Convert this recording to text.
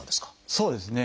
そうですね。